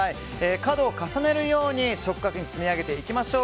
角を重ねるように直角に積み上げていきましょう。